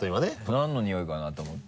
何のニオイかな？と思って。